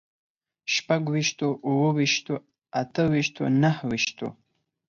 شپږ ويشتو، اووه ويشتو، اته ويشتو، نهه ويشتو